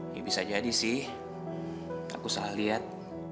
ya bisa jadi sih aku salah lihat